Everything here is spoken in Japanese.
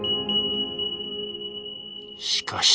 しかし。